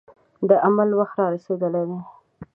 د عمل وخت را رسېدلی دی.